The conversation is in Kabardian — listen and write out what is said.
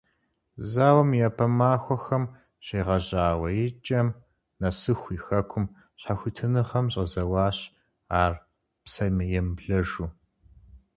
Зауэм и япэ махуэхэм щегъэжьауэ икӀэм нэсыху и хэкум и щхьэхуитыныгъэм щӀэзэуащ ар псэемыблэжу.